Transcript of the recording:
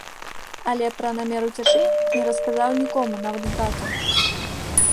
Але пра намер уцячы не расказаў нікому, нават брату.